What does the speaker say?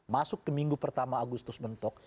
masuk ke minggu pertama agustus mentok